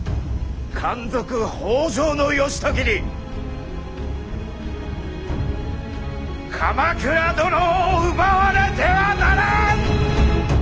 奸賊北条義時に鎌倉殿を奪われてはならん！